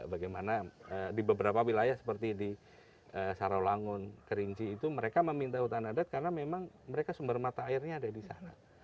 bagaimana di beberapa wilayah seperti di sarawangun kerinci itu mereka meminta hutan adat karena memang mereka sumber mata airnya ada di sana